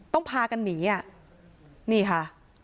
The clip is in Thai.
ต้องพากันหนีนี่ค่ะ